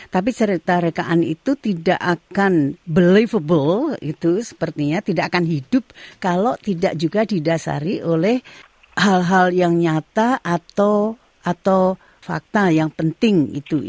tapi cerita rekaan itu tidak akan believable itu sepertinya tidak akan hidup kalau tidak juga didasari oleh hal hal yang nyata atau fakta yang penting